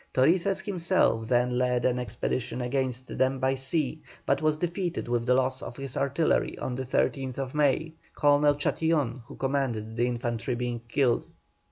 Torices himself then led an expedition against them by sea, but was defeated with the loss of his artillery on the 13th May, Colonel Chatillon, who commanded the infantry, being killed.